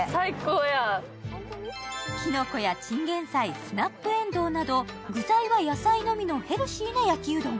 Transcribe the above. きのこやチンゲンサイ、スナップエンドウなど具材は野菜のみのヘルシーな焼きうどん。